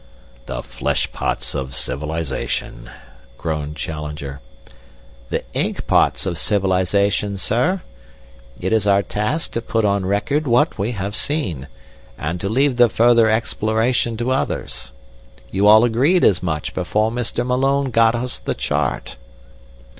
"The flesh pots of civilization," groaned Challenger. "The ink pots of civilization, sir. It is our task to put on record what we have seen, and to leave the further exploration to others. You all agreed as much before Mr. Malone got us the chart."